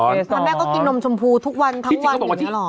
แล้วแม่ก็กินนมชมพูทุกวันทั้งวันอย่างนี้หรอ